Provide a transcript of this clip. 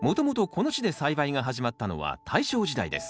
この地で栽培が始まったのは大正時代です。